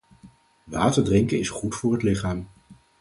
Water drinken is goed voor het lichaam